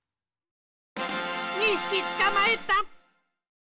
２ひきつかまえた。